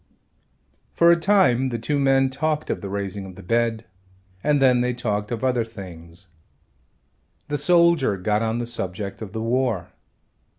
For a time the two men talked of the raising of the bed and then they talked of other things. The soldier got on the subject of the war.